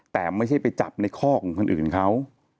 แต่ไม่ใช่ไปจับในข้อของคนอื่นเขา